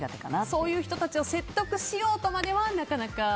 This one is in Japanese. そういう人たちを説得しようとまでは、なかなか？